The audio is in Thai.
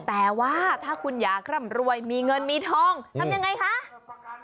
แต่ว่าถ้าคุณอย่าร่ำรวยมีเงินมีทองทำยังไงคะ